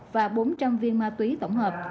và bốn trăm linh viên ma túy tổng hợp